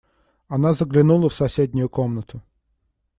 Она заглянула в соседнюю комнату.